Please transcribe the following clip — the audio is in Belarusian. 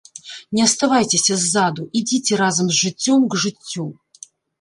Не аставайцеся ззаду, ідзіце разам з жыццём к жыццю!